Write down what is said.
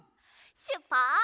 しゅっぱつ。